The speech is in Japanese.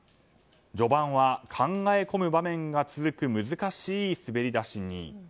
序盤は考え込む場面が続く難しい滑り出しに。